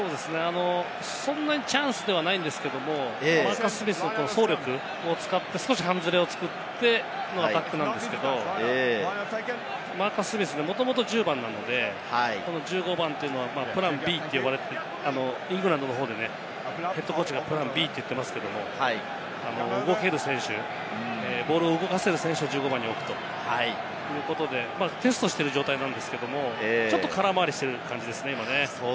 そんなにチャンスではないんですけど、マーカス・スミスの走力を使って半ずれを作ってのバックスなんですけど、マーカス・スミスね、もともと１０番なので、この１５番というのは、イングランドの方でプランＢとＨＣが言ってますけれども、動ける選手、ボールを動かせる選手を１５番に置くということで、テストしてる状態なんですけれども、ちょっと空回りしてる感じですね。